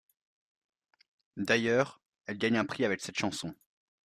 D'ailleurs, elle gagne un prix avec cette chanson.